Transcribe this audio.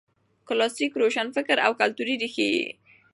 کلاسیک روشنفکر او کلتوري ريښې یې